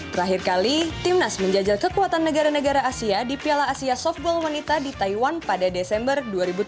terakhir kali timnas menjajal kekuatan negara negara asia di piala asia softball wanita di taiwan pada desember dua ribu tujuh belas